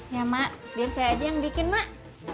ya mak biar saya aja yang bikin mak